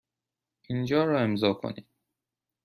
اینجا را امضا کنید.